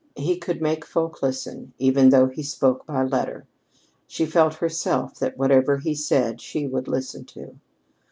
He could make folk listen, even though he spoke by letter. She felt, herself, that whatever he said, she would listen to.